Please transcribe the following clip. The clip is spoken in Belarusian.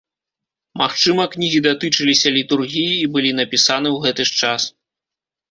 Магчыма, кнігі датычыліся літургіі і былі напісаны ў гэты ж час.